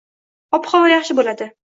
Ob-havo yaxshi boʻladi.